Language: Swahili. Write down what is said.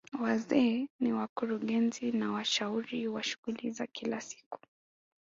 Wazee ni wakurugenzi na washauri wa shughuli za kila siku